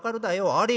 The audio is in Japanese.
あれ？